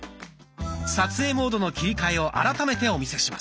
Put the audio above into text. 撮影モードの切り替えを改めてお見せします。